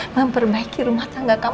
memperbaiki rumah tangga kamu